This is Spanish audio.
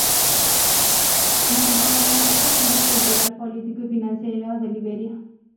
Monrovia es el centro cultural, político y financiero de Liberia.